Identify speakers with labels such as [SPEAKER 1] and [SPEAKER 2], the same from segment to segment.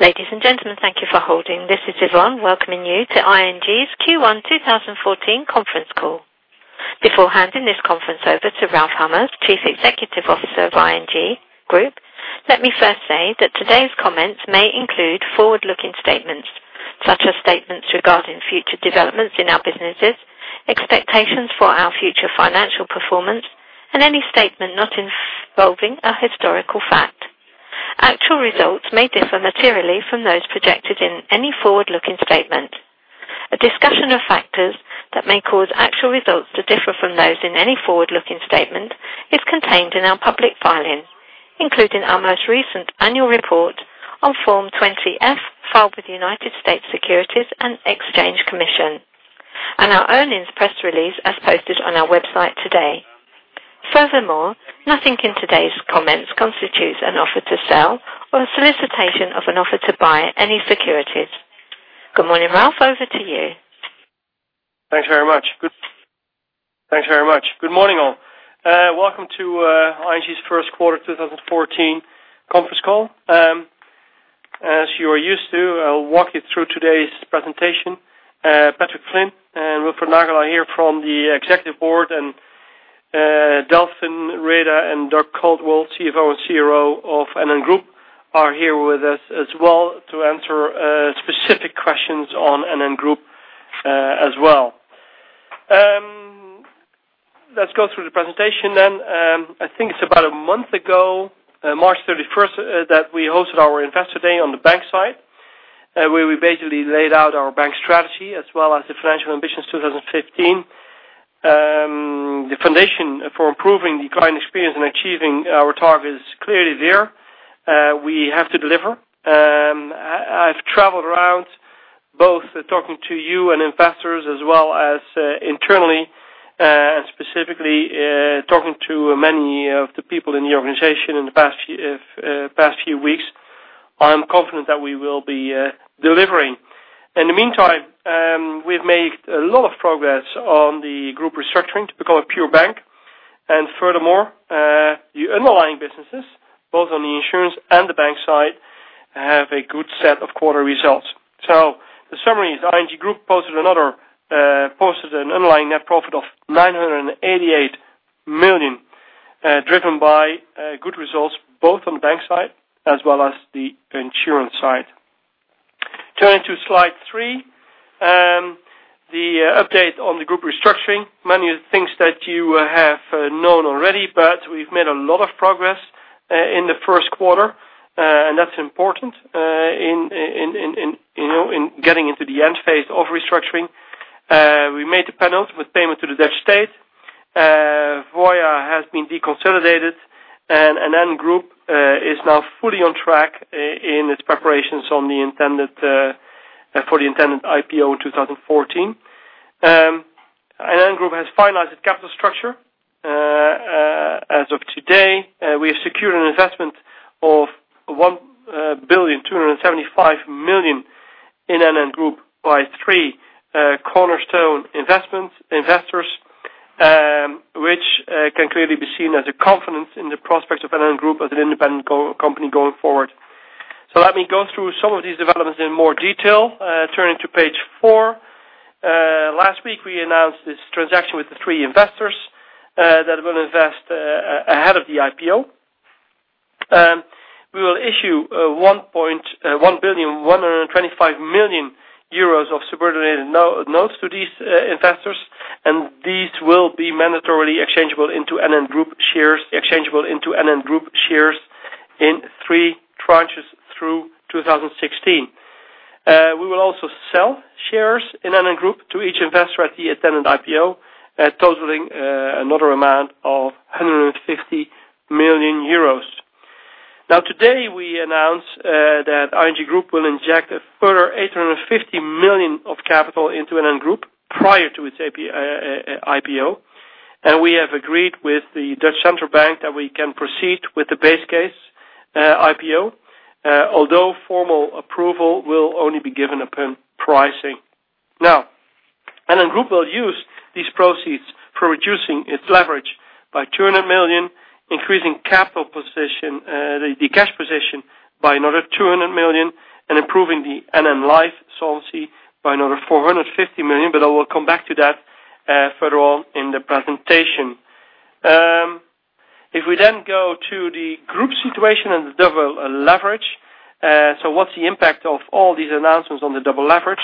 [SPEAKER 1] Ladies and gentlemen, thank you for holding. This is Yvonne, welcoming you to ING's Q1 2014 conference call. Before handing this conference over to Ralph Hamers, Chief Executive Officer of ING Groep, let me first say that today's comments may include forward-looking statements, such as statements regarding future developments in our businesses, expectations for our future financial performance, and any statement not involving a historical fact. Actual results may differ materially from those projected in any forward-looking statement. A discussion of factors that may cause actual results to differ from those in any forward-looking statement is contained in our public filing, including our most recent annual report on Form 20-F filed with the United States Securities and Exchange Commission, and our earnings press release as posted on our website today. Nothing in today's comments constitutes an offer to sell or a solicitation of an offer to buy any securities. Good morning, Ralph. Over to you.
[SPEAKER 2] Thanks very much. Good morning, all. Welcome to ING's first quarter 2014 conference call. As you are used to, I'll walk you through today's presentation. Patrick Flynn and Wilfred Nagel are here from the executive board, and Delfin Rueda and Dirk Coldewey, CFO and CRO of NN Group, are here with us as well to answer specific questions on NN Group as well. Let's go through the presentation. I think it's about a month ago, March 31st, that we hosted our investor day on the bank side, where we basically laid out our bank strategy as well as the financial ambitions 2015. The foundation for improving the client experience and achieving our target is clearly there. We have to deliver. I've traveled around both talking to you and investors as well as internally, and specifically talking to many of the people in the organization in the past few weeks. I'm confident that we will be delivering. In the meantime, we've made a lot of progress on the group restructuring to become a pure bank. Furthermore, the underlying businesses, both on the insurance and the bank side, have a good set of quarter results. The summary is ING Groep posted an underlying net profit of 988 million, driven by good results both on the bank side as well as the insurance side. Turning to slide three, the update on the group restructuring. Many things that you have known already, but we've made a lot of progress in the first quarter, and that's important in getting into the end phase of restructuring. We made the penalty with payment to the Dutch state. Voya has been deconsolidated, and NN Group is now fully on track in its preparations for the intended IPO in 2014. NN Group has finalized its capital structure. As of today, we have secured an investment of 1.275 billion in NN Group by three cornerstone investors, which can clearly be seen as a confidence in the prospects of NN Group as an independent company going forward. Let me go through some of these developments in more detail. Turning to page four. Last week, we announced this transaction with the three investors that are going to invest ahead of the IPO. We will issue 1.125 billion of subordinated notes to these investors, these will be mandatorily exchangeable into NN Group shares in three tranches through 2016. We will also sell shares in NN Group to each investor at the intended IPO, totaling another amount of 150 million euros. Today, we announced that ING Groep will inject a further 850 million of capital into NN Group prior to its IPO. We have agreed with the Dutch Central Bank that we can proceed with the base case IPO, although formal approval will only be given upon pricing. NN Group will use these proceeds for reducing its leverage by 200 million, increasing the cash position by another 200 million, and improving the NN Life solvency by another 450 million, I will come back to that further on in the presentation. We then go to the group situation and the double leverage. What's the impact of all these announcements on the double leverage?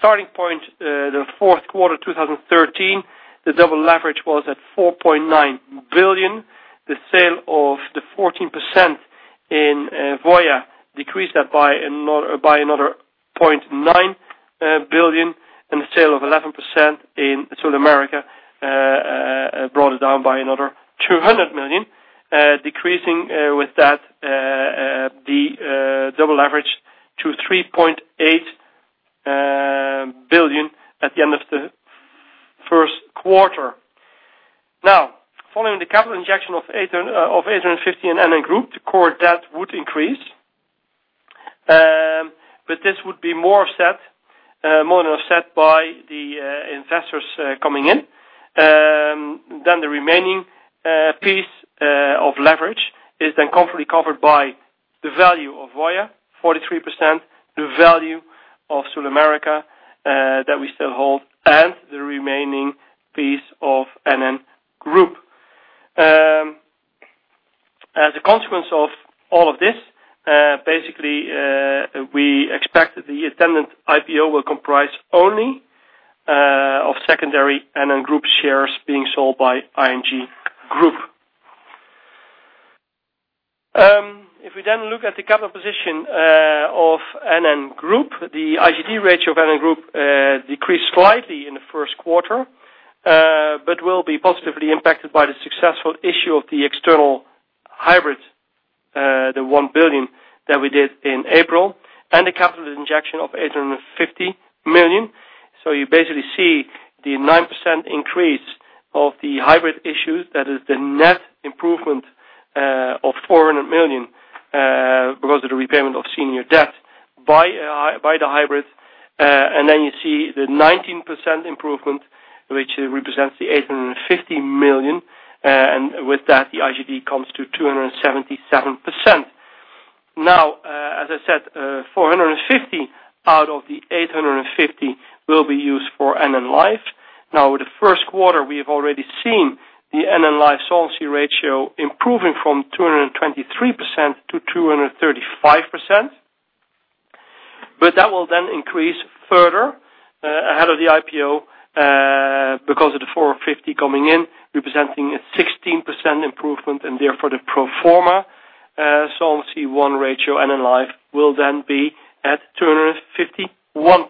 [SPEAKER 2] Starting point, the fourth quarter 2013, the double leverage was at 4.9 billion. The sale of the 14% in Voya decreased that by another 0.9 billion, the sale of 11% in SulAmérica brought it down by another 200 million, decreasing with that the double leverage to 3.8 billion at the end of the first quarter. Following the capital injection of 850 million in NN Group, the core debt would increase this would be more than offset by the investors coming in. The remaining piece of leverage is then comfortably covered by the value of Voya, 43%, the value of SulAmérica, that we still hold, and the remaining piece of NN Group. As a consequence of all of this, we expect that the attendant IPO will comprise only of secondary NN Group shares being sold by ING Groep. We then look at the capital position of NN Group, the IGD ratio of NN Group decreased slightly in the first quarter, will be positively impacted by the successful issue of the external hybrid, the 1 billion that we did in April, and a capital injection of 850 million. You see the 9% increase of the hybrid issues. That is the net improvement of 400 million because of the repayment of senior debt by the hybrids. Then you see the 19% improvement, which represents the 850 million. With that, the IGD comes to 277%. As I said, 450 out of the 850 will be used for NN Life. With the first quarter, we have already seen the NN Life solvency ratio improving from 223% to 235%. That will then increase further ahead of the IPO because of the 450 million coming in, representing a 16% improvement and therefore the pro forma Solvency I ratio, NN Life, will then be at 251%.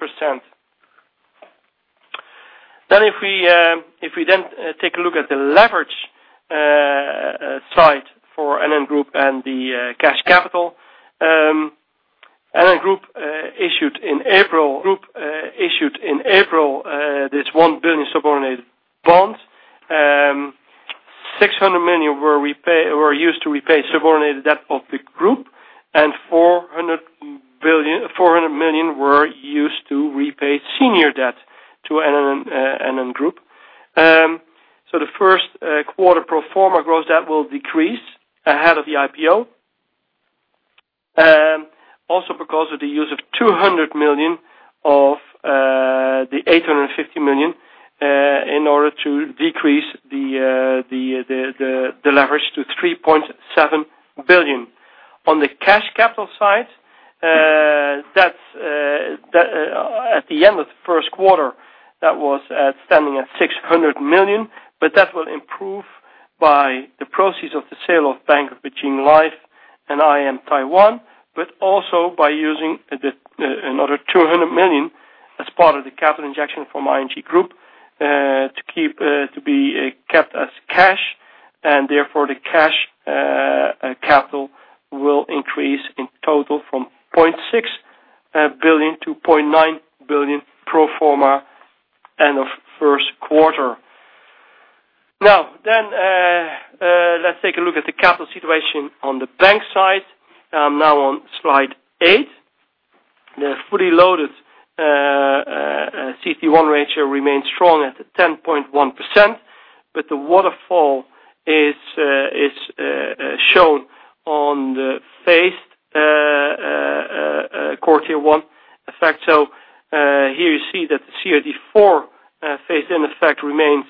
[SPEAKER 2] We then take a look at the leverage side for NN Group and the cash capital. NN Group issued in April this 1 billion subordinated bond. 600 million were used to repay subordinated debt of the group, and 400 million were used to repay senior debt to NN Group. The first quarter pro forma gross debt will decrease ahead of the IPO. Also because of the use of 200 million of the 850 million in order to decrease the leverage to 3.7 billion. On the cash capital side, at the end of the first quarter, that was standing at 600 million, that will improve by the proceeds of the sale of Bank of Beijing Life and ING Investment Management Taiwan, also by using another 200 million as part of the capital injection from ING Groep to be kept as cash and therefore the cash capital will increase in total from 0.6 billion to 0.9 billion pro forma end of first quarter. Let's take a look at the capital situation on the bank side. On slide eight. The fully loaded CET1 ratio remains strong at 10.1%, the waterfall is shown on the phased Core Tier 1 effect. Here you see that the CET1 phase-in effect remains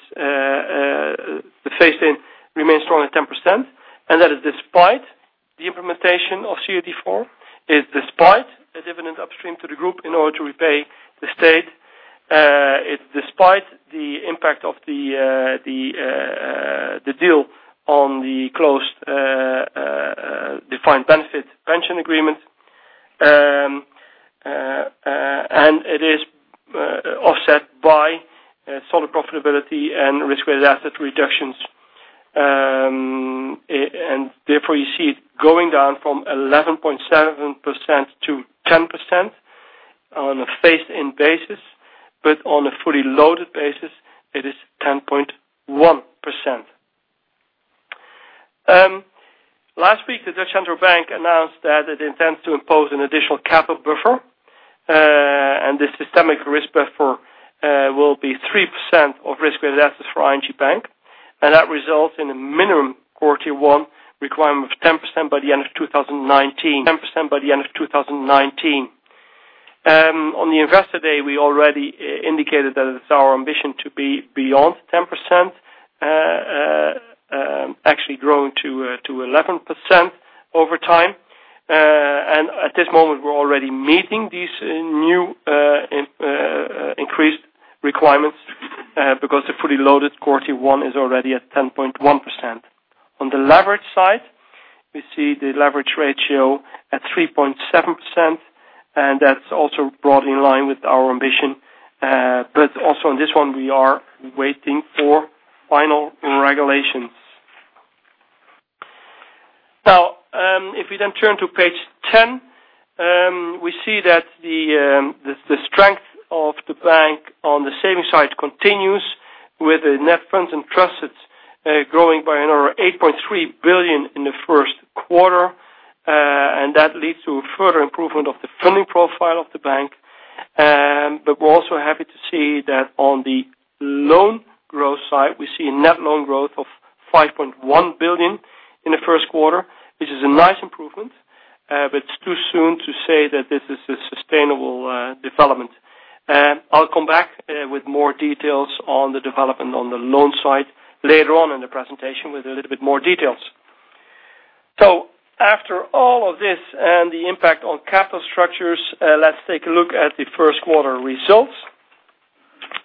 [SPEAKER 2] strong at 10%, that is despite the implementation of CET1, it's despite a dividend upstream to the group in order to repay the state. It is offset by solid profitability and risk-weighted asset reductions. Therefore you see it going down from 11.7% to 10% on a phased-in basis, on a fully loaded basis, it is 10.1%. Last week, De Nederlandsche Bank announced that it intends to impose an additional capital buffer, the systemic risk buffer will be 3% of risk-weighted assets for ING Bank, that results in a minimum Core Tier 1 requirement of 10% by the end of 2019. On the Investor Day, we already indicated that it's our ambition to be beyond 10%, actually growing to 11% over time. At this moment, we're already meeting these new increased requirements because the fully loaded Core Tier 1 is already at 10.1%. On the leverage side, we see the leverage ratio at 3.7%, that's also brought in line with our ambition. Also on this one, we are waiting for final regulations. If we then turn to page 10, we see that the strength of the bank on the savings side continues with a net funds entrusted growing by another 8.3 billion in the first quarter, that leads to a further improvement of the funding profile of the bank. We're also happy to see that on the loan growth side, we see a net loan growth of 5.1 billion in the first quarter. This is a nice improvement, but it's too soon to say that this is a sustainable development. I'll come back with more details on the development on the loan side later on in the presentation with a little bit more details. After all of this and the impact on capital structures, let's take a look at the first quarter results.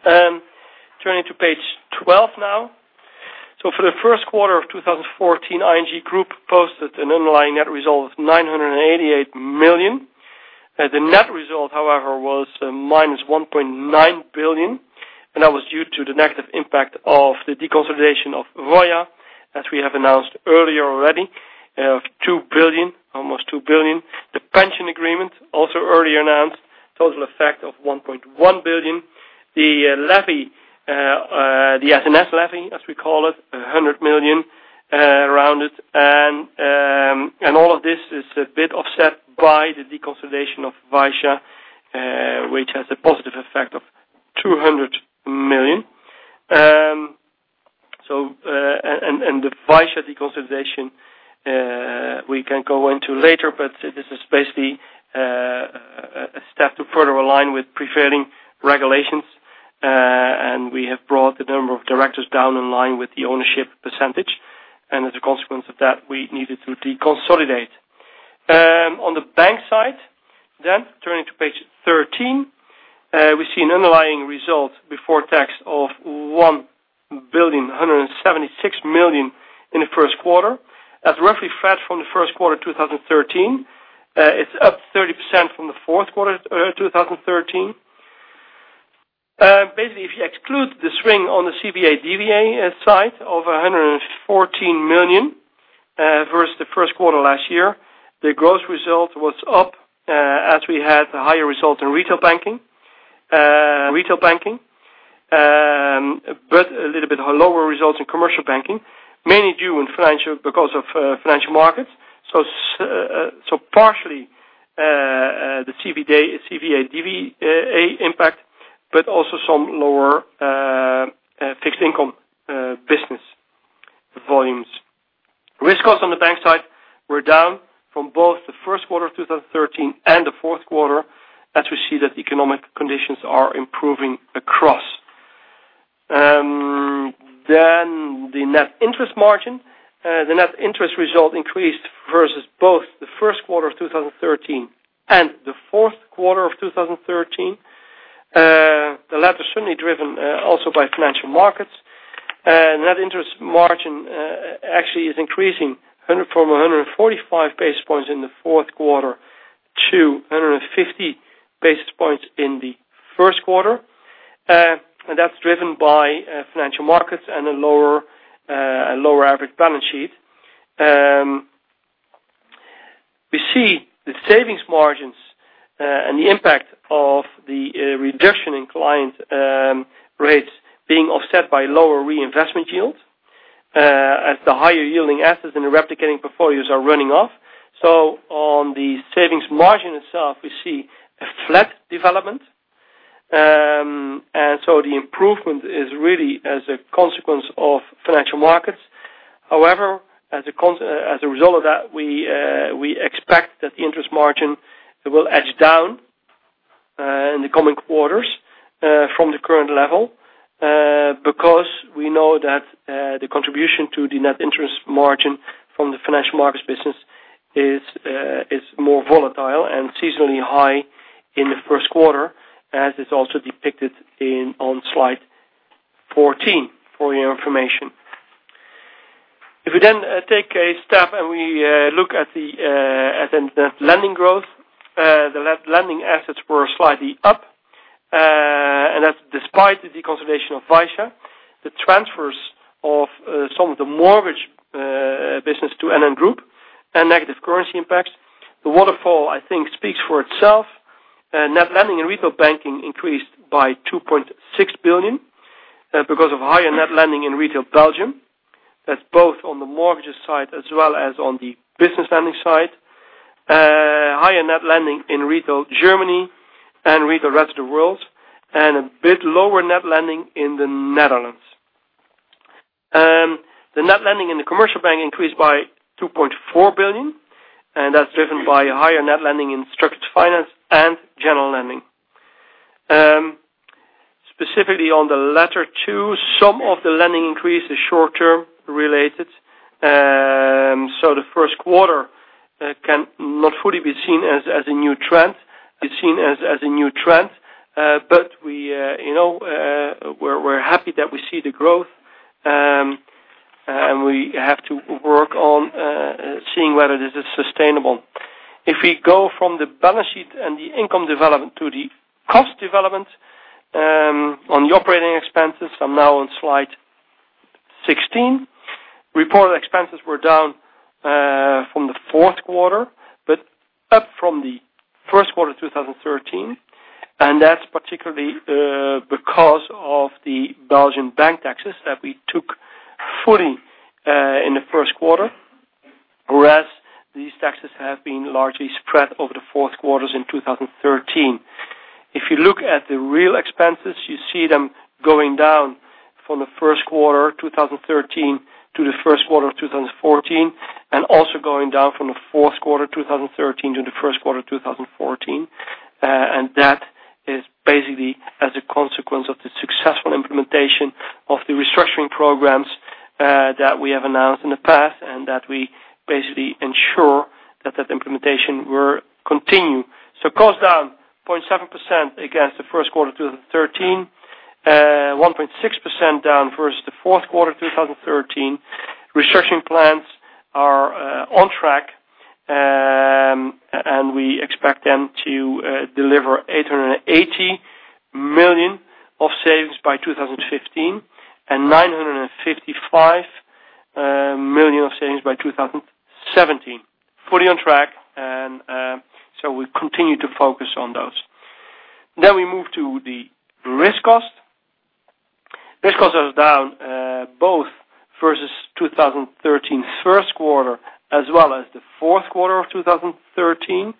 [SPEAKER 2] Turning to page 12 now. For the first quarter of 2014, ING Groep posted an underlying net result of 988 million. The net result, however, was minus 1.9 billion, and that was due to the negative impact of the deconsolidation of Voya, as we have announced earlier already, of almost 2 billion. The pension agreement, also earlier announced, total effect of 1.1 billion. The SNS levy, as we call it, 100 million rounded. All of this is a bit offset by the deconsolidation of Vysya, which has a positive effect of 200 million. The Vysya deconsolidation, we can go into later, but this is basically a step to further align with prevailing regulations. We have brought the number of directors down in line with the ownership percentage, and as a consequence of that, we needed to deconsolidate. On the bank side, turning to page 13, we see an underlying result before tax of 1,176 million in the first quarter. That's roughly flat from the first quarter 2013. It's up 30% from the fourth quarter 2013. Basically, if you exclude the swing on the CVA/DVA side of 114 million versus the first quarter last year, the growth result was up as we had a higher result in retail banking. A little bit lower results in commercial banking, mainly due because of financial markets. Partially, the CVA/DVA impact, but also some lower fixed income business volumes. Risk costs on the bank side were down from both the first quarter of 2013 and the fourth quarter, as we see that economic conditions are improving across. The net interest margin. The net interest result increased versus both the first quarter of 2013 and the fourth quarter of 2013. The latter certainly driven also by financial markets. Net interest margin actually is increasing from 145 basis points in the fourth quarter to 150 basis points in the first quarter. That's driven by financial markets and a lower average balance sheet. We see the savings margins and the impact of the reduction in client rates being offset by lower reinvestment yields as the higher yielding assets in the replicating portfolios are running off. On the savings margin itself, we see a flat development. The improvement is really as a consequence of financial markets. However, as a result of that, we expect that the interest margin will edge down in the coming quarters from the current level because we know that the contribution to the net interest margin from the financial markets business is more volatile and seasonally high in the first quarter, as is also depicted on slide 14 for your information. If we then take a step and we look at the lending growth, the lending assets were slightly up, and that's despite the deconsolidation of Vysya, the transfers of some of the mortgage business to NN Group, and negative currency impacts. The waterfall, I think, speaks for itself. Net lending in retail banking increased by 2.6 billion because of higher net lending in retail Belgium. That's both on the mortgages side as well as on the business lending side. Higher net lending in retail Germany and retail rest of the world, and a bit lower net lending in the Netherlands. The net lending in the commercial bank increased by 2.4 billion, and that's driven by higher net lending in structured finance and general lending. Specifically on the latter two, some of the lending increase is short-term related. The first quarter cannot fully be seen as a new trend. We're happy that we see the growth, and we have to work on seeing whether this is sustainable. If we go from the balance sheet and the income development to the cost development on the operating expenses, I'm now on slide 16. Reported expenses were down fourth quarter, but up from the first quarter of 2013, and that's particularly because of the Belgian bank taxes that we took fully in the first quarter, whereas these taxes have been largely spread over the fourth quarters in 2013. If you look at the real expenses, you see them going down from the first quarter 2013 to the first quarter of 2014, and also going down from the fourth quarter 2013 to the first quarter 2014. That is basically as a consequence of the successful implementation of the restructuring programs that we have announced in the past, and that we basically ensure that that implementation will continue. Cost down 0.7% against the first quarter 2013, 1.6% down versus the fourth quarter 2013. Restructuring plans are on track, and we expect them to deliver 880 million of savings by 2015, and 955 million of savings by 2017. Fully on track, so we continue to focus on those. We move to the risk cost. Risk cost is down both versus 2013 first quarter as well as the fourth quarter of 2013.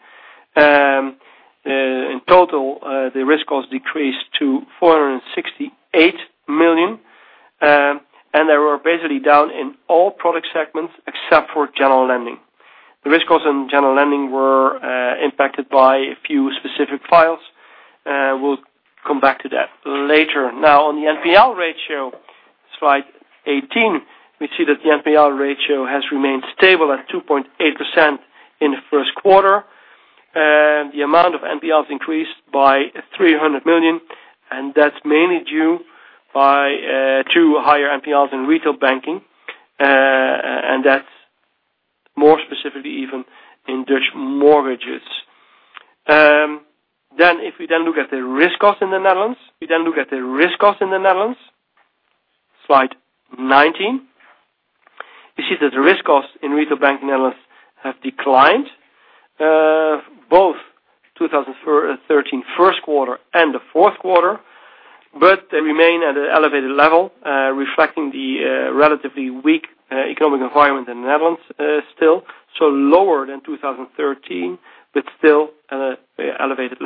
[SPEAKER 2] In total, the risk cost decreased to 468 million, and they were basically down in all product segments except for general lending. The risk cost and general lending were impacted by a few specific files. We'll come back to that later. On the NPL ratio, slide 18, we see that the NPL ratio has remained stable at 2.8% in the first quarter. The amount of NPLs increased by 300 million, and that's mainly due to higher NPLs in retail banking. That's more specifically even in Dutch mortgages. If we then look at the risk cost in the Netherlands, slide 19, you see that the risk cost in retail banking in the Netherlands have declined, both 2013 first quarter and the fourth quarter, but they remain at an elevated level, reflecting the relatively weak economic environment in the Netherlands still, so lower than 2013, but still at an elevated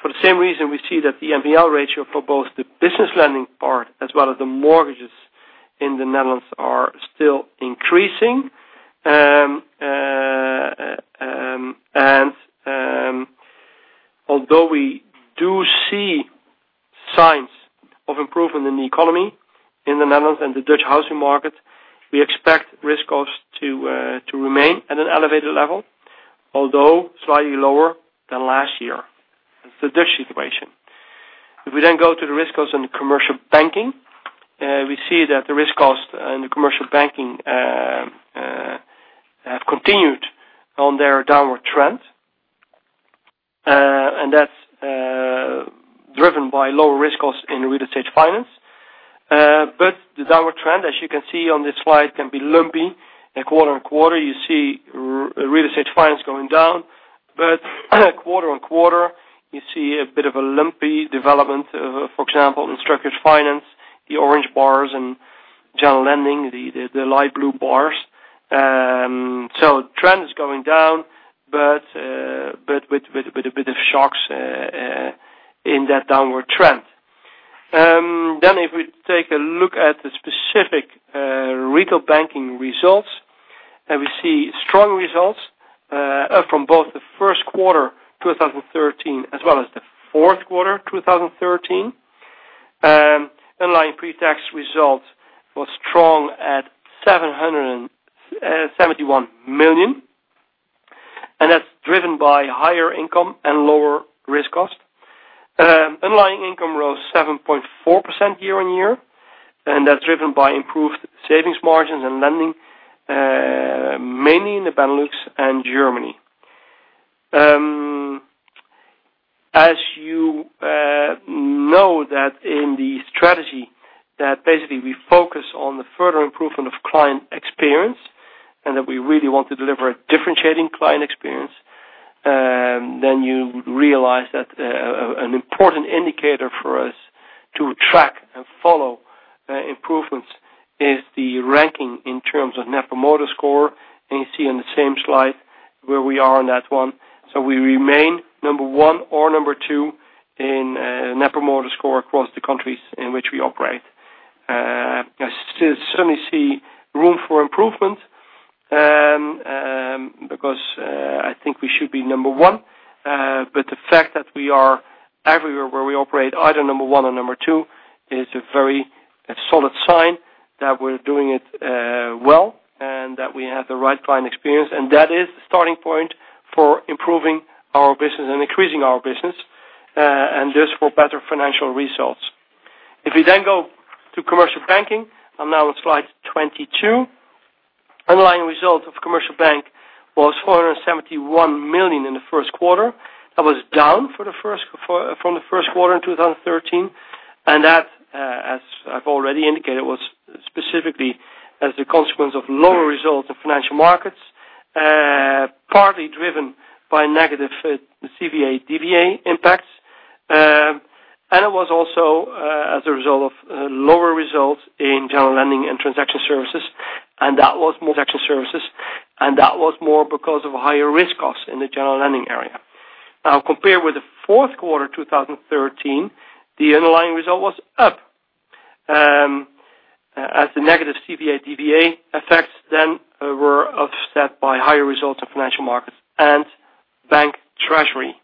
[SPEAKER 2] level. For the same reason, we see that the NPL ratio for both the business lending part as well as the mortgages in the Netherlands are still increasing. Although we do see signs of improvement in the economy in the Netherlands and the Dutch housing market, we expect risk costs to remain at an elevated level, although slightly lower than last year. That's the Dutch situation. We then go to the risk costs in commercial banking, we see that the risk costs in the commercial banking have continued on their downward trend. That's driven by lower risk costs in real estate finance. The downward trend, as you can see on this slide, can be lumpy. Quarter on quarter, you see real estate finance going down. Quarter on quarter, you see a bit of a lumpy development, for example, in structured finance, the orange bars, and general lending, the light blue bars. Trend is going down, but with a bit of shocks in that downward trend. If we take a look at the specific retail banking results, we see strong results from both the first quarter 2013 as well as the fourth quarter 2013. Underlying pre-tax result was strong at 771 million, that's driven by higher income and lower risk costs. Underlying income rose 7.4% year-on-year, that's driven by improved savings margins and lending, mainly in the Benelux and Germany. As you know that in the strategy that basically we focus on the further improvement of client experience, and that we really want to deliver a differentiating client experience, then you realize that an important indicator for us to track and follow improvements is the ranking in terms of Net Promoter Score, and you see on the same slide where we are on that one. We remain number 1 or number 2 in Net Promoter Score across the countries in which we operate. I certainly see room for improvement, because I think we should be number 1. The fact that we are everywhere where we operate, either number 1 or number 2, is a very solid sign that we're doing it well and that we have the right client experience, and that is the starting point for improving our business and increasing our business, and thus for better financial results. If we go to commercial banking, and now on slide 22. Underlying result of commercial bank was 471 million in the first quarter. That was down from the first quarter in 2013. That, as I've already indicated, was specifically as a consequence of lower results in financial markets, partly driven by negative CVA/DVA impacts. It was also as a result of lower results in general lending and transaction services, that was more because of higher risk costs in the general lending area. Compared with the fourth quarter 2013, the underlying result was up as the negative CVA/DVA effects then were offset by higher results in financial markets and bank treasury.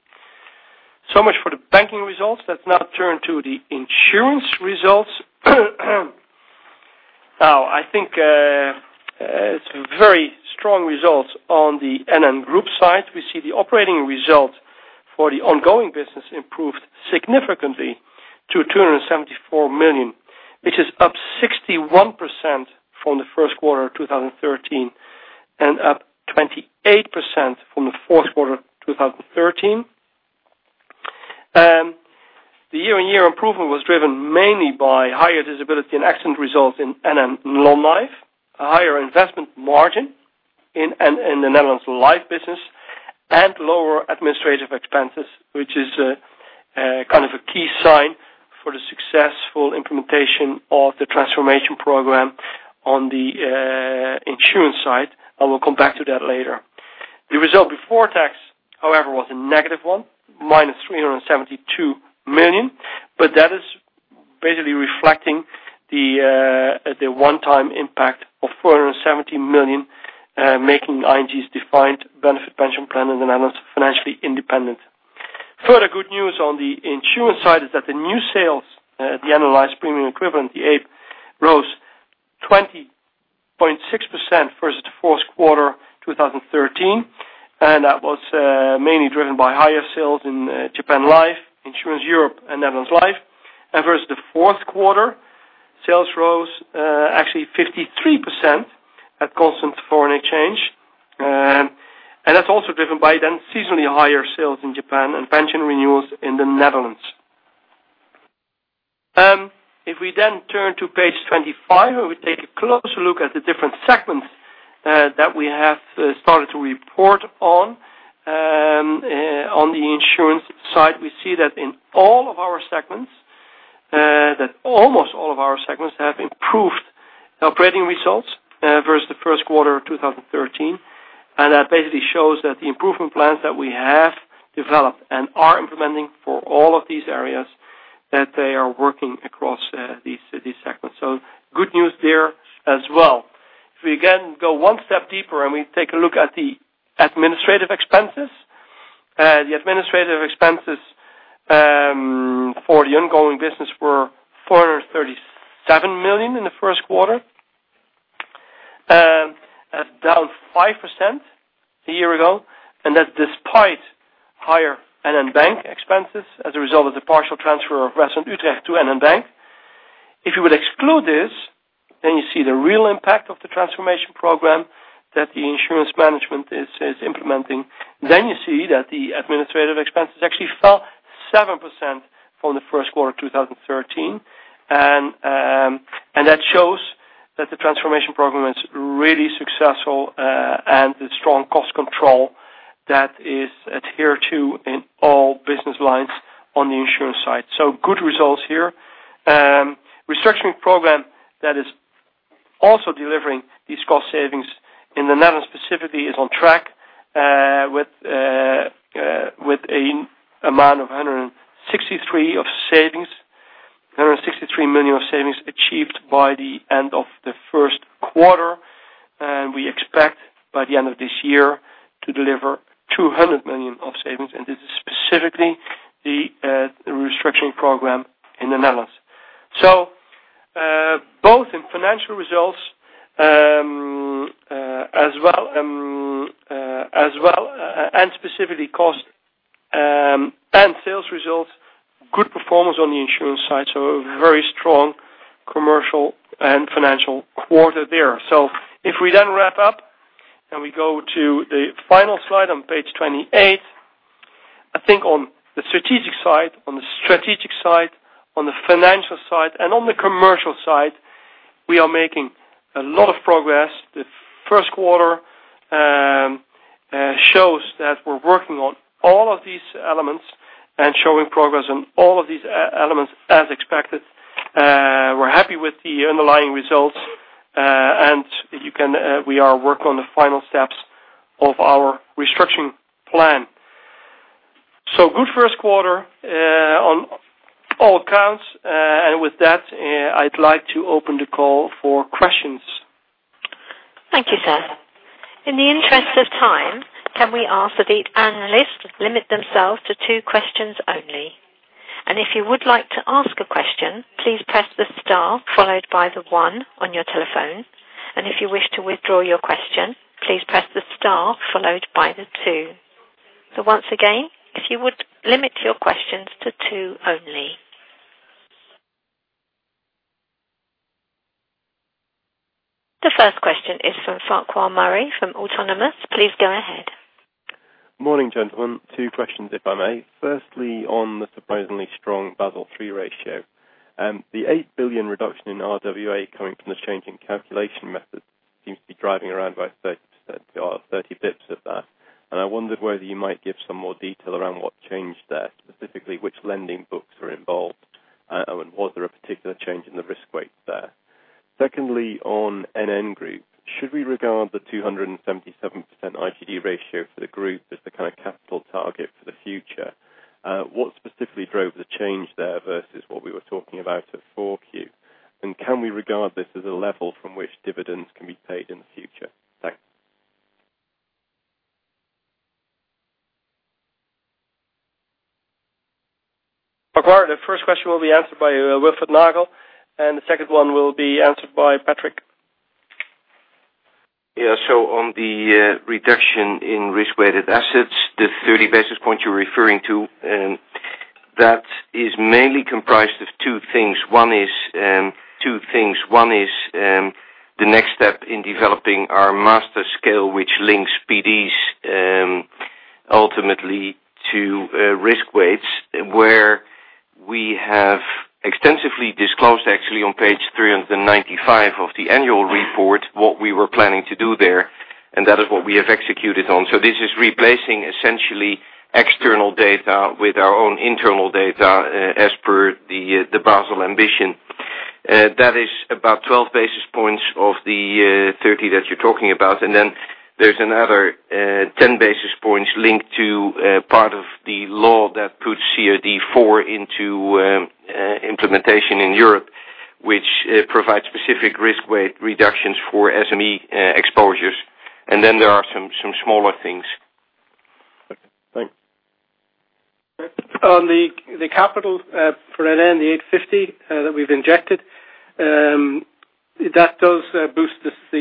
[SPEAKER 2] Much for the banking results. Let's now turn to the insurance results. I think it's very strong results on the NN Group side. We see the operating result for the ongoing business improved significantly to 274 million. This is up 61% from the first quarter of 2013 and up 28% from the fourth quarter of 2013. The year-on-year improvement was driven mainly by higher disability and excellent results in NN Long Life, a higher investment margin in the Netherlands Life business, and lower administrative expenses, which is kind of a key sign for the successful implementation of the transformation program on the insurance side. I will come back to that later. The result before tax, however, was a negative one, minus 372 million, but that is basically reflecting the one-time impact of 470 million, making ING's defined benefit pension plan in the Netherlands financially independent. Further good news on the insurance side is that the new sales, the annualized premium equivalent, the APE, rose 20.6% versus the fourth quarter 2013, and that was mainly driven by higher sales in ING Life Japan, ING Insurance Europe and Netherlands Life. Versus the fourth quarter, sales rose actually 53% at constant foreign exchange. That's also driven by then seasonally higher sales in Japan and pension renewals in the Netherlands. If we then turn to page 25, where we take a closer look at the different segments that we have started to report on. On the insurance side, we see that in all of our segments, that almost all of our segments have improved operating results versus the first quarter of 2013. That basically shows that the improvement plans that we have developed and are implementing for all of these areas, that they are working across these segments. Good news there as well. If we again go one step deeper and we take a look at the administrative expenses. The administrative expenses for the ongoing business were 437 million in the first quarter. That's down 5% a year ago, and that's despite higher NN Bank expenses as a result of the partial transfer of Rason Utrecht to NN Bank. If you would exclude this, then you see the real impact of the transformation program that the insurance management is implementing. You see that the administrative expenses actually fell 7% from the first quarter of 2013. That shows that the transformation program is really successful, and the strong cost control that is adhered to in all business lines on the insurance side. Good results here. Restructuring program that is also delivering these cost savings in the Netherlands specifically is on track with amount of 163 million of savings achieved by the end of the first quarter. We expect by the end of this year to deliver 200 million of savings, and this is specifically the restructuring program in the Netherlands. Both in financial results as well, and specifically cost and sales results, good performance on the insurance side. A very strong commercial and financial quarter there. If we then wrap up and we go to the final slide on page 28. I think on the strategic side, on the financial side, and on the commercial side, we are making a lot of progress. The first quarter shows that we're working on all of these elements and showing progress on all of these elements as expected. We're happy with the underlying results, and we are working on the final steps of our restructuring plan. Good first quarter on all accounts. With that, I'd like to open the call for questions.
[SPEAKER 1] Thank you, sir. In the interest of time, can we ask that each analyst limit themselves to two questions only? If you would like to ask a question, please press the star followed by the one on your telephone. If you wish to withdraw your question, please press the star followed by the two. Once again, if you would limit your questions to two only. Farquhar Murray from Autonomous, please go ahead.
[SPEAKER 3] Morning, gentlemen. Two questions, if I may. Firstly, on the surprisingly strong Basel III ratio. The 8 billion reduction in RWA coming from the change in calculation methods seems to be driving around by 30% or 30 basis points of that. I wondered whether you might give some more detail around what changed there, specifically which lending books were involved, and was there a particular change in the risk weight there? Secondly, on NN Group, should we regard the 277% IGD ratio for the group as the kind of capital target for the future? What specifically drove the change there versus what we were talking about at 4Q? Can we regard this as a level from which dividends can be paid in the future? Thanks.
[SPEAKER 2] Farquhar, the first question will be answered by Wilfred Nagel, the second one will be answered by Patrick.
[SPEAKER 4] Yeah. On the reduction in risk-weighted assets, the 30 basis points you're referring to, that is mainly comprised of two things. One is the next step in developing our master scale, which links PDs ultimately to risk weights, where we have extensively disclosed, actually, on page 395 of the annual report, what we were planning to do there, and that is what we have executed on. This is replacing essentially external data with our own internal data as per the Basel ambition. That is about 12 basis points of the 30 that you're talking about. There's another 10 basis points linked to part of the law that puts CRD IV into implementation in Europe, which provides specific risk weight reductions for SME exposures. There are some smaller things.
[SPEAKER 3] Okay. Thanks.
[SPEAKER 2] On the capital for NN, the 850 that we've injected, that does boost the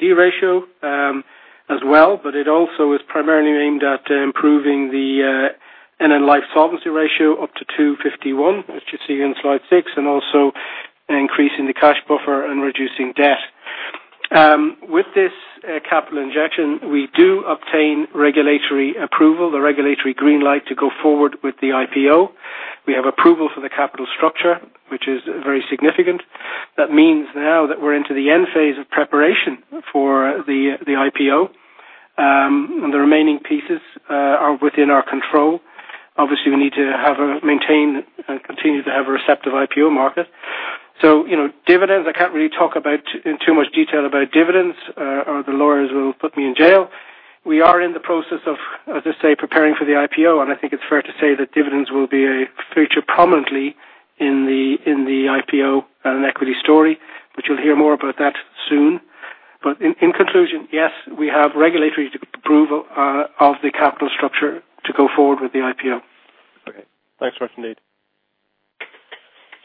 [SPEAKER 2] IGD ratio as well, but it also is primarily aimed at improving the NN Life solvency ratio up to 251, as you see on slide six, and also increasing the cash buffer and reducing debt. With this capital injection, we do obtain regulatory approval, the regulatory green light to go forward with the IPO. We have approval for the capital structure, which is very significant. That means now that we're into the end phase of preparation for the IPO. The remaining pieces are within our control. Obviously, we need to continue to have a receptive IPO market. Dividends, I can't really talk about in too much detail about dividends, or the lawyers will put me in jail. We are in the process of, as I say, preparing for the IPO. I think it's fair to say that dividends will feature prominently in the IPO and equity story. You'll hear more about that soon. In conclusion, yes, we have regulatory approval of the capital structure to go forward with the IPO.
[SPEAKER 3] Okay. Thanks very much indeed.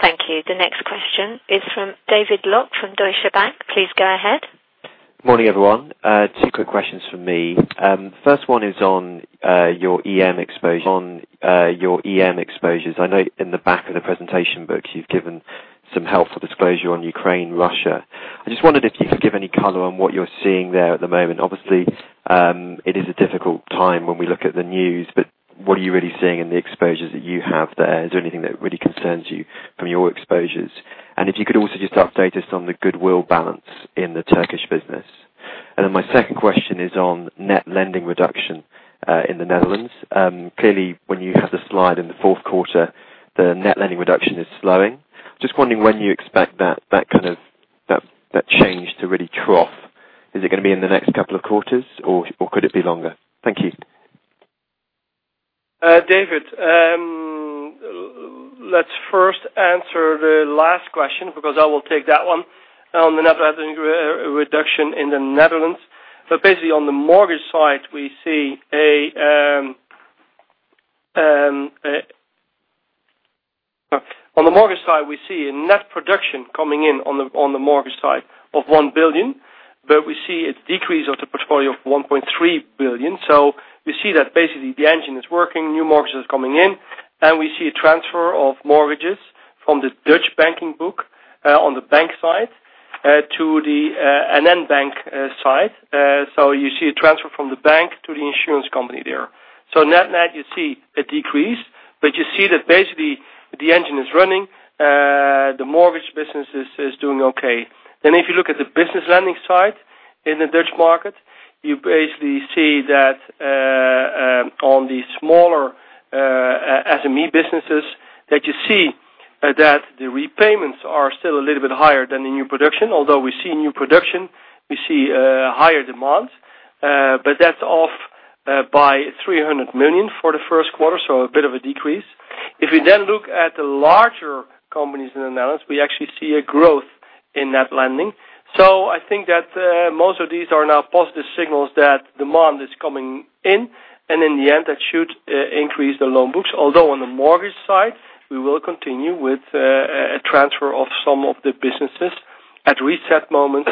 [SPEAKER 1] Thank you. The next question is from David Lock from Deutsche Bank. Please go ahead.
[SPEAKER 5] Morning, everyone. Two quick questions from me. First one is on your EM exposures. I know in the back of the presentation books, you've given some helpful disclosure on Ukraine, Russia. I just wondered if you could give any color on what you're seeing there at the moment. Obviously, it is a difficult time when we look at the news, but what are you really seeing in the exposures that you have there? Is there anything that really concerns you from your exposures? If you could also just update us on the goodwill balance in the Turkish business. My second question is on net lending reduction in the Netherlands. Clearly, when you have the slide in the fourth quarter, the net lending reduction is slowing. Just wondering when you expect that change to really trough. Is it going to be in the next couple of quarters or could it be longer? Thank you.
[SPEAKER 2] David, let's first answer the last question, because I will take that one, on the net lending reduction in the Netherlands. On the mortgage side, we see a net reduction coming in on the mortgage side of one billion, but we see a decrease of the portfolio of 1.3 billion. We see that basically the engine is working, new mortgages coming in. We see a transfer of mortgages from the Dutch banking book on the bank side to the NN Bank side. You see a transfer from the bank to the insurance company there. Net-net, you see a decrease, but you see that basically the engine is running. The mortgage business is doing okay. If you look at the business lending side in the Dutch market, you basically see that on the smaller SME businesses, that you see that the repayments are still a little bit higher than the new production. Although we see new production, we see higher demand. That's off by 300 million for the first quarter, so a bit of a decrease. If we then look at the larger companies in the Netherlands, we actually see a growth in net lending. I think that most of these are now positive signals that demand is coming in, and in the end, that should increase the loan books. Although on the mortgage side, we will continue with a transfer of some of the businesses at reset moments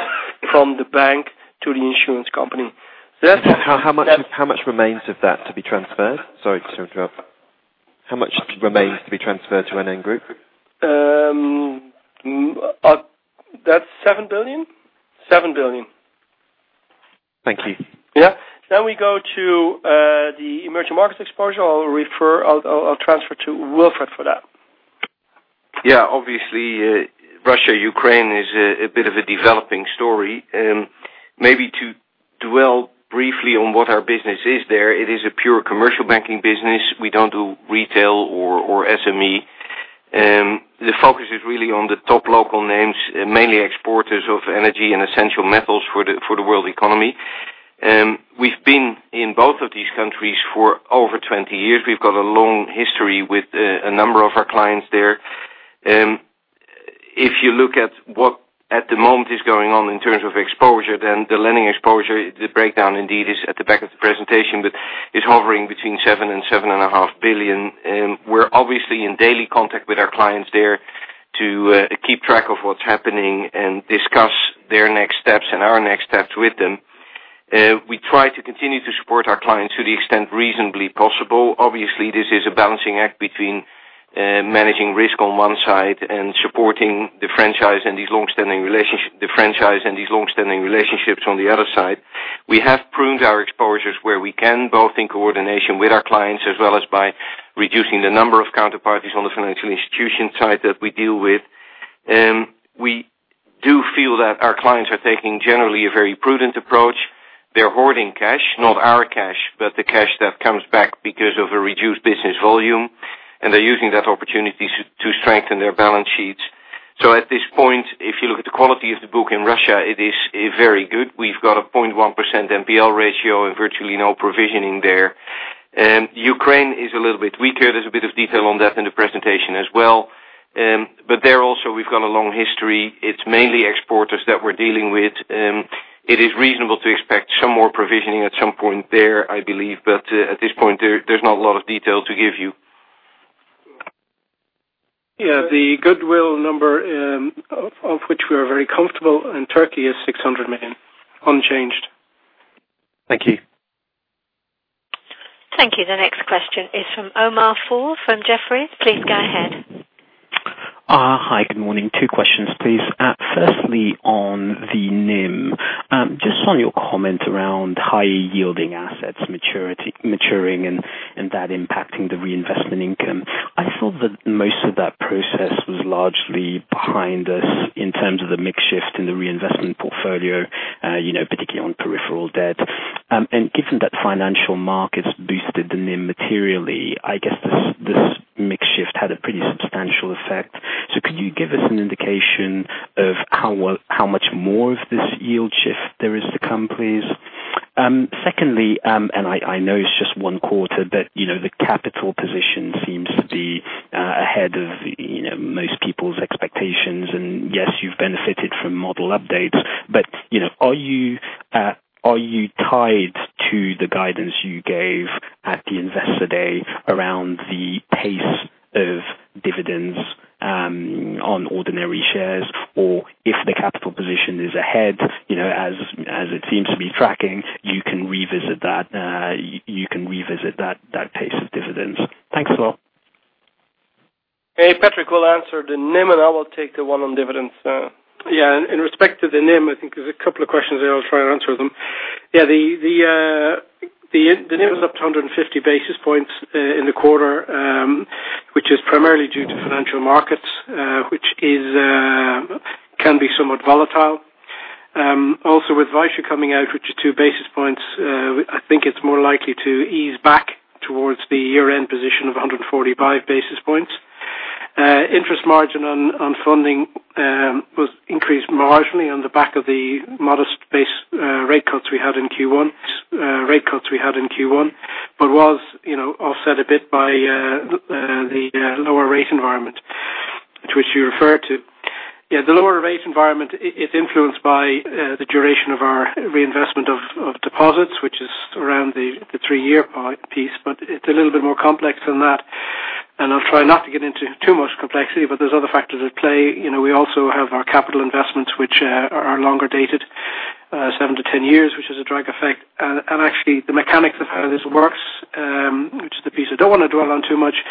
[SPEAKER 2] from the bank to the insurance company.
[SPEAKER 5] How much remains of that to be transferred? Sorry to interrupt. How much remains to be transferred to an NN Group?
[SPEAKER 2] That's 7 billion. 7 billion.
[SPEAKER 5] Thank you.
[SPEAKER 2] Yeah. Now we go to the emerging markets exposure. I'll transfer to Wilfred for that.
[SPEAKER 4] Yeah. Obviously, Russia, Ukraine is a bit of a developing story. Maybe to dwell briefly on what our business is there, it is a pure commercial banking business. We don't do retail or SME. The focus is really on the top local names, mainly exporters of energy and essential metals for the world economy. We've been in both of these countries for over 20 years. We've got a long history with a number of our clients there. If you look at what at the moment is going on in terms of exposure, then the lending exposure, the breakdown indeed is at the back of the presentation, but is hovering between 7 billion and 7.5 billion. We're obviously in daily contact with our clients there to keep track of what's happening and discuss their next steps and our next steps with them. We try to continue to support our clients to the extent reasonably possible. Obviously, this is a balancing act between managing risk on one side and supporting the franchise and these longstanding relationships on the other side. We have pruned our exposures where we can, both in coordination with our clients, as well as by reducing the number of counterparties on the financial institution side that we deal with. We do feel that our clients are taking, generally, a very prudent approach. They're hoarding cash, not our cash, but the cash that comes back because of a reduced business volume, and they're using that opportunity to strengthen their balance sheets. At this point, if you look at the quality of the book in Russia, it is very good. We've got a 0.1% NPL ratio and virtually no provisioning there. Ukraine is a little bit weaker. There's a bit of detail on that in the presentation as well. There also, we've got a long history. It's mainly exporters that we're dealing with. It is reasonable to expect some more provisioning at some point there, I believe. At this point, there's not a lot of detail to give you.
[SPEAKER 2] Yeah. The goodwill number, of which we are very comfortable in Turkey, is 600 million, unchanged.
[SPEAKER 4] Thank you.
[SPEAKER 1] Thank you. The next question is from Omar Fall from Jefferies. Please go ahead.
[SPEAKER 6] Hi, good morning. Two questions, please. Firstly, on the NIM. Just on your comment around high yielding assets maturing and that impacting the reinvestment income. I thought that most of that process was largely behind us in terms of the mix shift in the reinvestment portfolio, particularly on peripheral debt. Given that financial markets boosted the NIM materially, I guess this mix shift had a pretty substantial effect. Could you give us an indication of how much more of this yield shift there is to come, please? Secondly, I know it's just one quarter, but the capital position seems to be ahead of most people's expectations. Yes, you've benefited from model updates, but are you tied to the guidance you gave at the investor day around the pace of dividends on ordinary shares? If the capital position is ahead, as it seems to be tracking, you can revisit that pace of dividends. Thanks a lot.
[SPEAKER 2] Hey, Patrick will answer the NIM, and I will take the one on dividends.
[SPEAKER 7] In respect to the NIM, I think there's a couple of questions there. I'll try and answer them. The NIM was up to 150 basis points in the quarter, which is primarily due to financial markets, which can be somewhat volatile. Also with Vysya coming out, which is two basis points, I think it's more likely to ease back towards the year-end position of 145 basis points. Interest margin on funding was increased marginally on the back of the modest base rate cuts we had in Q1, but was offset a bit by the lower rate environment to which you refer to. The lower rate environment, it's influenced by the duration of our reinvestment of deposits, which is around the three-year piece, but it's a little bit more complex than that, and I'll try not to get into too much complexity, but there's other factors at play. We also have our capital investments, which are longer dated, seven to 10 years, which is a drag effect. Actually, the mechanics of how this works, which is the piece I don't want to dwell on too much,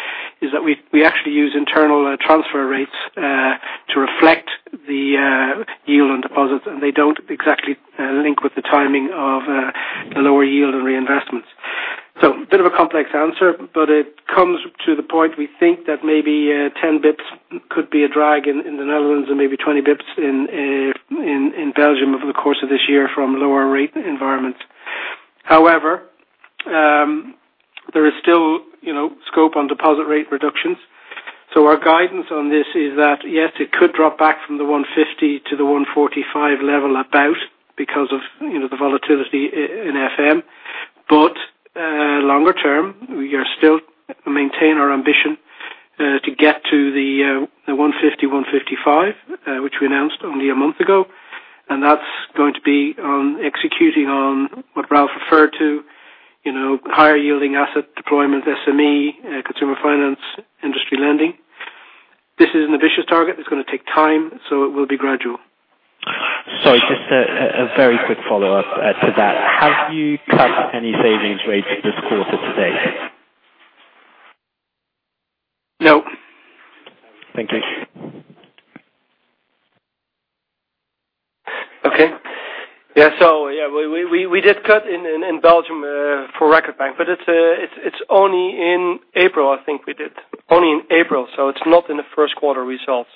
[SPEAKER 7] is that we actually use internal transfer rates to reflect the yield on deposits, and they don't exactly link with the timing of the lower yield on reinvestments. A bit of a complex answer, but it comes to the point we think that maybe 10 basis points could be a drag in the Netherlands and maybe 20 basis points in Belgium over the course of this year from lower rate environments. However, there is still scope on deposit rate reductions. Our guidance on this is that, yes, it could drop back from the 150 to the 145 level about because of the volatility in FM. Longer term, we still maintain our ambition to get to the 150, 155, which we announced only a month ago, and that's going to be on executing on what Ralph referred to, higher yielding asset deployment, SME, consumer finance, industry lending. This is an ambitious target. It's going to take time, so it will be gradual.
[SPEAKER 6] Sorry, just a very quick follow-up to that. Have you cut any savings rates this quarter to date?
[SPEAKER 2] No.
[SPEAKER 6] Thank you.
[SPEAKER 2] We did cut in Belgium for Record Bank, but it's only in April, I think we did. Only in April, so it's not in the first quarter results.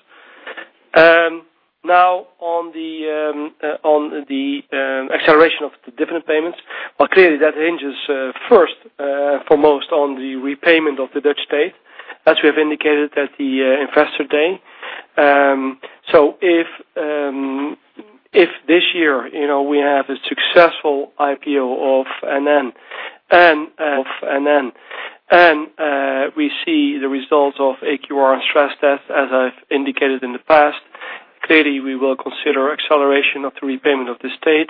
[SPEAKER 2] On the acceleration of the dividend payments. Clearly that hinges first foremost on the repayment of the Dutch state, as we have indicated at the Investor Day. If this year, we have a successful IPO of NN and we see the results of AQR and stress test, as I've indicated in the past, clearly we will consider acceleration of the repayment of the state.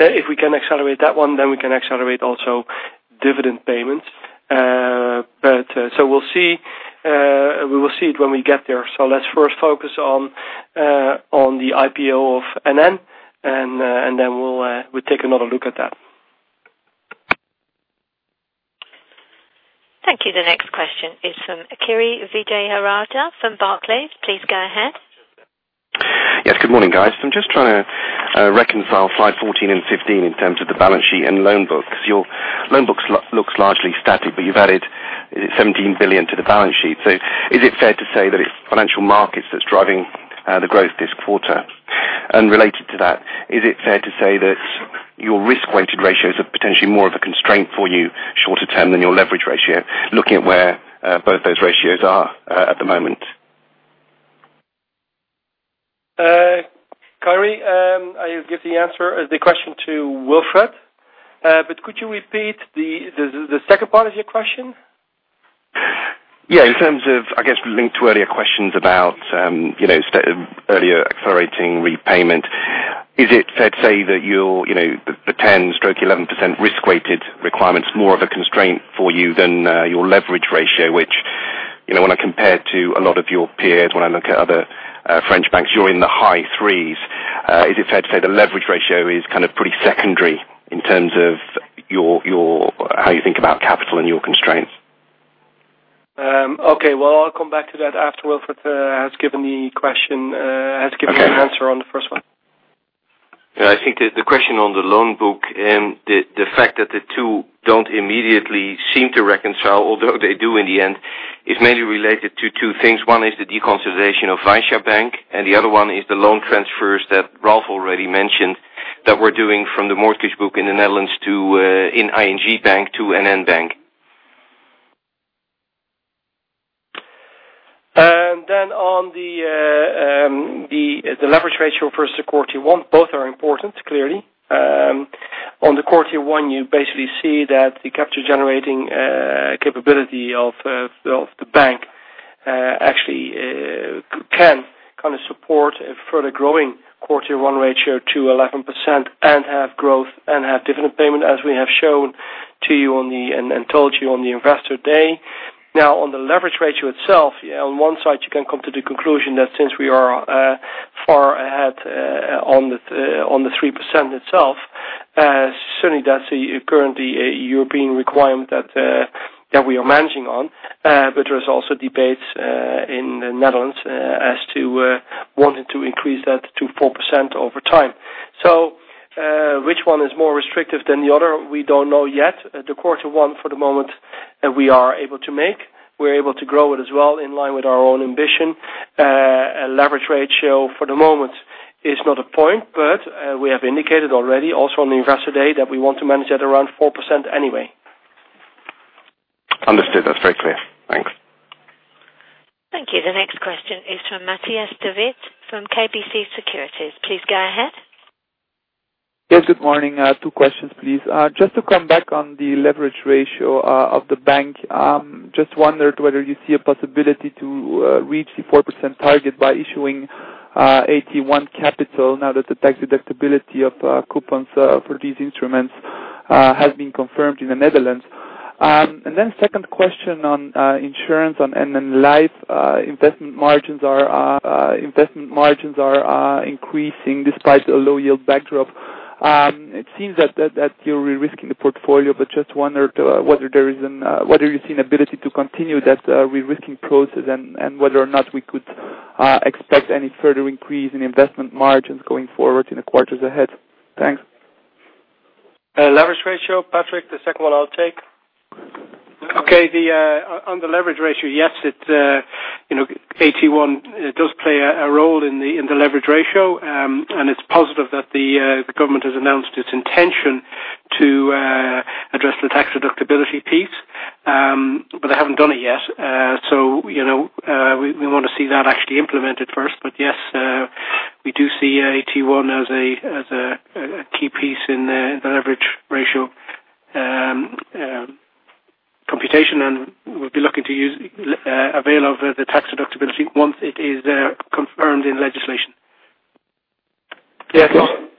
[SPEAKER 2] If we can accelerate that one, then we can accelerate also dividend payments. We'll see it when we get there. Let's first focus on the IPO of NN and then we'll take another look at that.
[SPEAKER 1] Thank you. The next question is from Kirishanthan Vijayarajah from Barclays. Please go ahead.
[SPEAKER 8] Yes, good morning, guys. I'm just trying to reconcile slide 14 and 15 in terms of the balance sheet and loan book, because your loan book looks largely static, you've added 17 billion to the balance sheet. Is it fair to say that it's financial markets that's driving the growth this quarter? Related to that, is it fair to say that your risk-weighted ratios are potentially more of a constraint for you shorter term than your leverage ratio, looking at where both those ratios are at the moment?
[SPEAKER 2] Kiri, I give the question to Wilfred. Could you repeat the second part of your question?
[SPEAKER 8] Yeah, in terms of, I guess, linked to earlier questions about earlier accelerating repayment, is it fair to say that the 10%/11% risk-weighted requirement is more of a constraint for you than your leverage ratio, which, when I compare it to a lot of your peers, when I look at other French banks, you're in the high threes. Is it fair to say the leverage ratio is pretty secondary in terms of how you think about capital and your constraints?
[SPEAKER 2] Okay. Well, I'll come back to that after Wilfred has given the answer on the first one.
[SPEAKER 4] I think the question on the loan book and the fact that the two don't immediately seem to reconcile, although they do in the end, is mainly related to two things. One is the deconsolidation of Vysya Bank, and the other one is the loan transfers that Ralph already mentioned that we're doing from the mortgage book in the Netherlands in ING Bank to NN Bank.
[SPEAKER 2] On the leverage ratio versus the CET1, both are important, clearly. On the CET1, you basically see that the capture generating capability of the bank actually can support a further growing CET1 ratio to 11% and have growth and have dividend payment as we have shown to you and told you on the Investor Day. On the leverage ratio itself, on one side, you can come to the conclusion that since we are far ahead on the 3% itself, certainly that's currently a European requirement that we are managing on. There's also debates in the Netherlands as to wanting to increase that to 4% over time. Which one is more restrictive than the other, we don't know yet. The CET1 for the moment, we are able to make. We're able to grow it as well in line with our own ambition. A leverage ratio for the moment is not a point, we have indicated already also on the Investor Day that we want to manage at around 4% anyway.
[SPEAKER 8] Understood. That is very clear. Thanks.
[SPEAKER 1] Thank you. The next question is from Matthias De Wit from KBC Securities. Please go ahead.
[SPEAKER 9] Yes, good morning. Two questions, please. Just to come back on the leverage ratio of the bank. Just wondered whether you see a possibility to reach the 4% target by issuing AT1 capital now that the tax deductibility of coupons for these instruments has been confirmed in the Netherlands. Second question on insurance, on NN Life. Investment margins are increasing despite a low yield backdrop. It seems that you are re-risking the portfolio, but just wondered whether you see an ability to continue that re-risking process and whether or not we could expect any further increase in investment margins going forward in the quarters ahead. Thanks.
[SPEAKER 2] Leverage ratio, Patrick, the second one I will take.
[SPEAKER 7] On the leverage ratio, yes, AT1 does play a role in the leverage ratio, and it is positive that the government has announced its intention to address the tax deductibility piece. They haven't done it yet. We want to see that actually implemented first. Yes, we do see AT1 as a key piece in the leverage ratio computation, and we'll be looking to avail of the tax deductibility once it is confirmed in legislation.
[SPEAKER 2] Yes.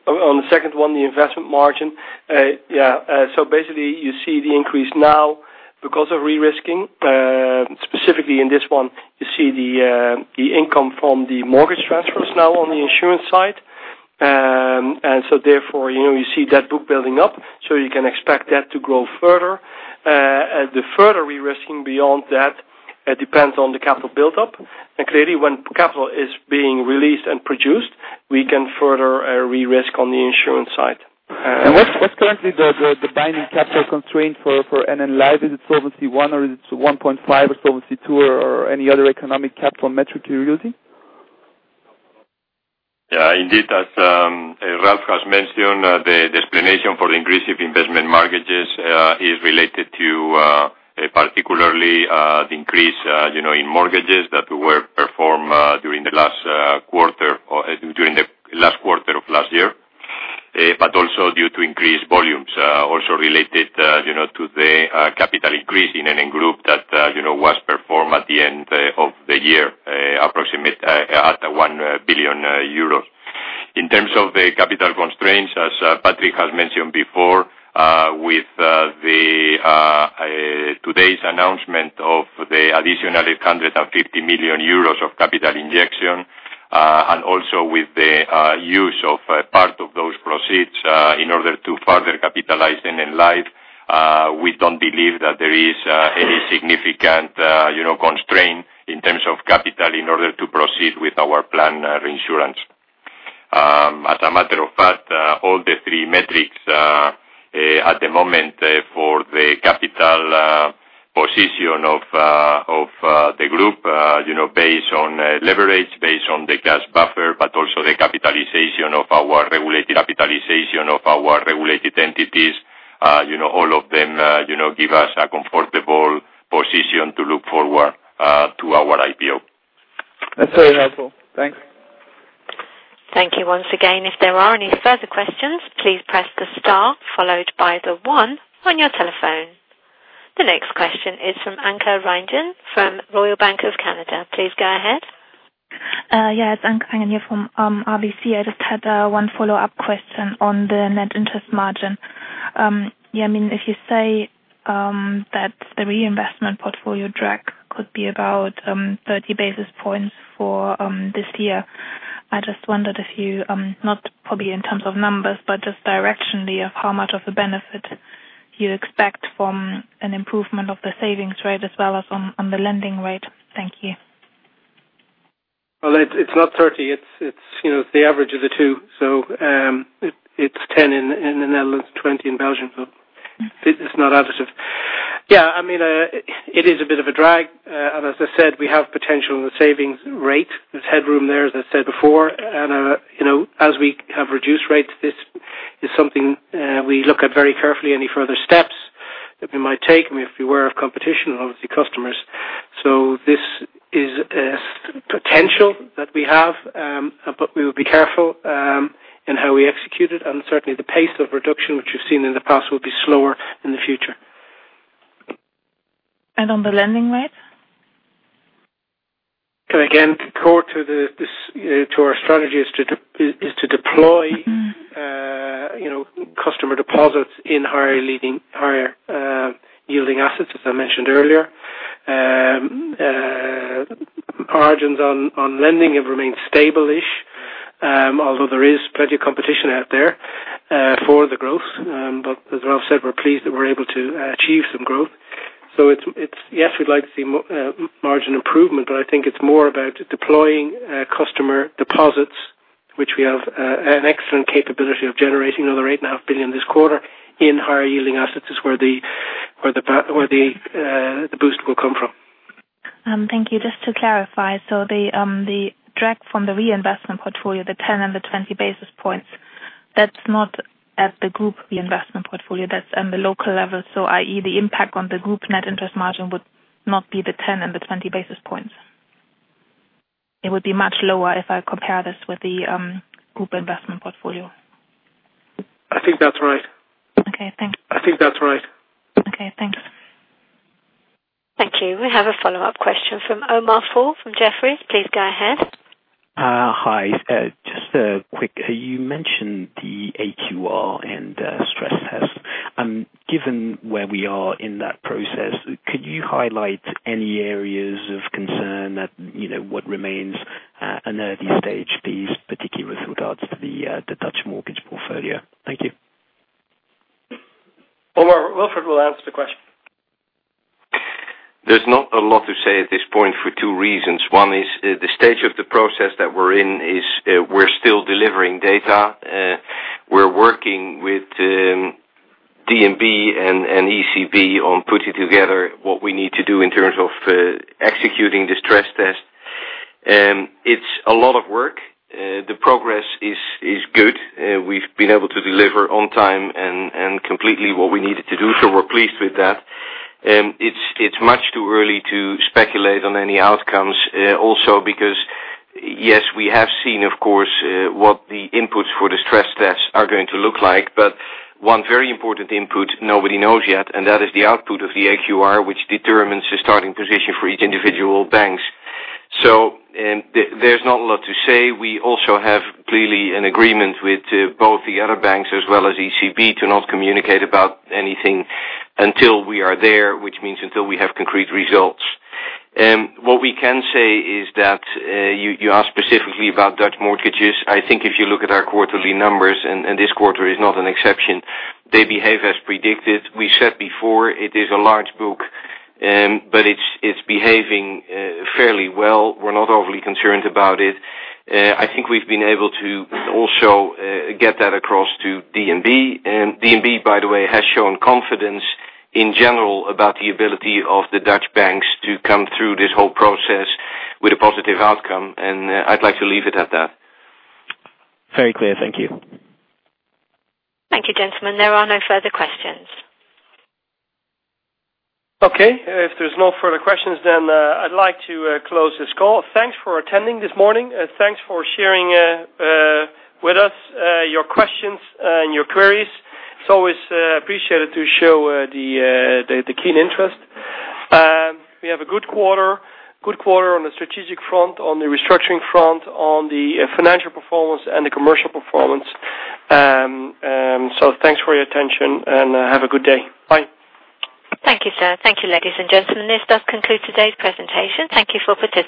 [SPEAKER 2] On the second one, the investment margin. Yeah. Basically you see the increase now because of de-risking. Specifically in this one, you see the income from the mortgage transfers now on the insurance side. Therefore, you see that book building up, so you can expect that to grow further. The further de-risking beyond that depends on the capital buildup. Clearly when capital is being released and produced, we can further de-risk on the insurance side.
[SPEAKER 9] What's currently the binding capital constraint for NN Life? Is it Solvency I or is it 1.5 or Solvency II or any other economic capital metric you're using?
[SPEAKER 10] Yeah, indeed. As Ralph has mentioned, the explanation for the increase of investment mortgages is related to particularly the increase in mortgages that were performed during the last quarter of last year, also due to increased volumes. Also related to the capital increase in NN Group that was performed at the end of the year, approximately at 1 billion euros. In terms of the capital constraints, as Patrick has mentioned before, with today's announcement of the additional 150 million euros of capital injection, also with the use of part of those proceeds in order to further capitalize NN Life, we don't believe that there is any significant constraint in terms of capital in order to proceed with our planned reinsurance. As a matter of fact, all the three metrics at the moment for the capital position of the group based on leverage, based on the cash buffer, but also the capitalization of our regulated entities, all of them give us a comfortable position to look forward to our IPO.
[SPEAKER 9] That's very helpful. Thanks.
[SPEAKER 1] Thank you once again. If there are any further questions, please press the star followed by the one on your telephone. The next question is from Anke Reingen from Royal Bank of Canada. Please go ahead.
[SPEAKER 11] Yeah. It's Anke Reingen from RBC. I just had one follow-up question on the net interest margin. If you say that the reinvestment portfolio drag could be about 30 basis points for this year, I just wondered if you, not probably in terms of numbers, but just directionally, of how much of a benefit you expect from an improvement of the savings rate as well as on the lending rate. Thank you.
[SPEAKER 2] Well, it's not 30, it's the average of the two. It's 10 in the Netherlands, 20 in Belgium. It's not additive. Yeah, it is a bit of a drag. As I said, we have potential in the savings rate. There's headroom there, as I said before. As we have reduced rates, this is something we look at very carefully, any further steps that we might take, and we have to be aware of competition and obviously customers. This is a potential that we have, but we will be careful in how we execute it. Certainly, the pace of reduction, which we've seen in the past, will be slower in the future.
[SPEAKER 11] On the lending rate?
[SPEAKER 7] Again, core to our strategy is to deploy customer deposits in higher yielding assets, as I mentioned earlier. Margins on lending have remained stable-ish, although there is plenty of competition out there for the growth. As Ralph said, we're pleased that we're able to achieve some growth. Yes, we'd like to see margin improvement, but I think it's more about deploying customer deposits, which we have an excellent capability of generating. Another 8.5 billion this quarter in higher yielding assets is where the boost will come from.
[SPEAKER 11] Thank you. Just to clarify, the drag from the reinvestment portfolio, the 10 and the 20 basis points, that's not at the group reinvestment portfolio, that's on the local level. I.e., the impact on the group net interest margin would not be the 10 and the 20 basis points. It would be much lower if I compare this with the group investment portfolio.
[SPEAKER 7] I think that's right.
[SPEAKER 11] Okay, thanks.
[SPEAKER 7] I think that's right.
[SPEAKER 11] Okay, thanks.
[SPEAKER 1] Thank you. We have a follow-up question from Omar Fall from Jefferies. Please go ahead.
[SPEAKER 6] Hi. Just quick. You mentioned the AQR and stress test. Given where we are in that process, could you highlight any areas of concern that what remains an early stage piece, particularly with regards to the Dutch mortgage portfolio? Thank you.
[SPEAKER 2] Omar, Wilfred will answer the question.
[SPEAKER 4] There's not a lot to say at this point for two reasons. One is the stage of the process that we're in is we're still delivering data. We're working with DNB and ECB on putting together what we need to do in terms of executing the stress test. It's a lot of work. The progress is good. We've been able to deliver on time and completely what we needed to do, so we're pleased with that. It's much too early to speculate on any outcomes. Because, yes, we have seen, of course, what the inputs for the stress tests are going to look like. One very important input nobody knows yet, and that is the output of the AQR, which determines the starting position for each individual banks. There's not a lot to say. We also have clearly an agreement with both the other banks as well as ECB to not communicate about anything until we are there, which means until we have concrete results. What we can say is that, you asked specifically about Dutch mortgages. I think if you look at our quarterly numbers, and this quarter is not an exception, they behave as predicted. We said before, it is a large book, but it's behaving fairly well. We're not overly concerned about it. I think we've been able to also get that across to DNB. DNB, by the way, has shown confidence in general about the ability of the Dutch banks to come through this whole process with a positive outcome, and I'd like to leave it at that.
[SPEAKER 6] Very clear. Thank you.
[SPEAKER 1] Thank you, gentlemen. There are no further questions.
[SPEAKER 2] Okay. If there's no further questions, I'd like to close this call. Thanks for attending this morning. Thanks for sharing with us your questions and your queries. It's always appreciated to show the keen interest. We have a good quarter. Good quarter on the strategic front, on the restructuring front, on the financial performance, and the commercial performance. Thanks for your attention, and have a good day. Bye.
[SPEAKER 1] Thank you, sir. Thank you, ladies and gentlemen. This does conclude today's presentation. Thank you for participating.